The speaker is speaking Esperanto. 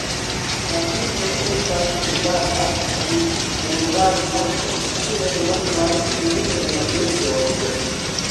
La fiŝo estas uzata en kuirarto, kiel montras unu el la bildoj.